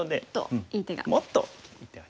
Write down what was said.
もっといい手が。